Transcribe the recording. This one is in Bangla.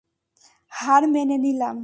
হার মেনে নিলাম।